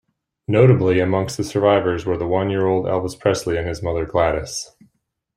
Notably, amongst the survivors were the one-year-old Elvis Presley and his mother, Gladys.